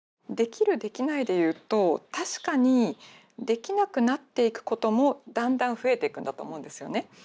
できるできないで言うと確かにできなくなっていくこともだんだん増えていくんだと思うんですよね。